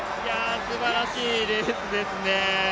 すばらしいレースですね。